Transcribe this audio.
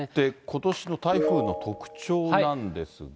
ことしの台風の特徴なんですが。